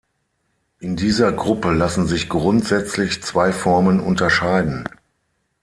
In dieser Gruppe lassen sich grundsätzlich zwei Formen unterscheiden.